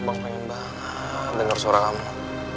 bang pengen banget dengar suara kamu